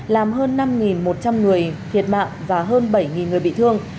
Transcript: làm hơn năm một trăm linh người thiệt mạng và hơn bảy người bị thương